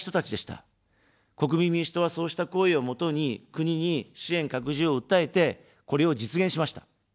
国民民主党は、そうした声をもとに国に支援拡充を訴えて、これを実現しました。